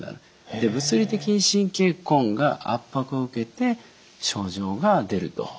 で物理的に神経根が圧迫を受けて症状が出ると。